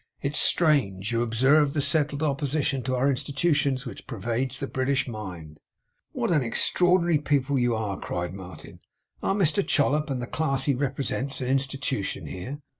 'It's strange! You observe the settled opposition to our Institutions which pervades the British mind!' 'What an extraordinary people you are!' cried Martin. 'Are Mr Chollop and the class he represents, an Institution here?